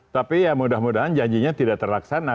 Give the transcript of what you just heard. tapi ya mudah mudahan janjinya tidak terlaksana